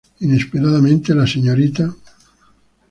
Inesperadamente la Srta.